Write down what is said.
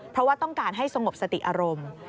เพราะว่าต้องการให้สงบสติอารมณ์